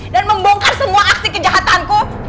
dan membongkar semua aksi kejahatanku